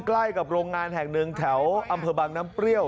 ใกล้กับโรงงานแห่งหนึ่งแถวอำเภอบังน้ำเปรี้ยว